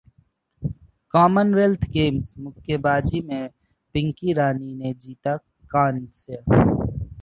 Commonwealth games मुक्केबाजी में पिंकी रानी ने जीता कांस्य